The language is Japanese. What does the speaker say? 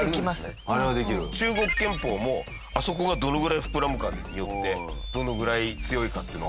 中国拳法もあそこがどのぐらい膨らむかによってどのぐらい強いかっていうのが。